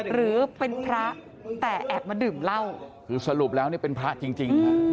หรือเป็นพระแต่แอบมาดื่มเหล้าคือสรุปแล้วเนี่ยเป็นพระจริงจริงฮะ